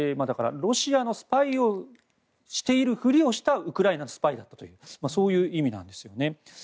ロシアのスパイをしているふりをしたウクライナのスパイだったというそういう意味なんですね。